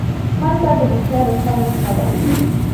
منډه د هوښیار انسان نښه ده